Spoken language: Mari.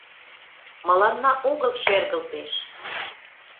Мыланна огыл шергылтеш.